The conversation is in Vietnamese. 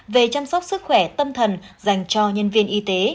về chăm sóc sức khỏe tâm thần dành cho nhân viên y tế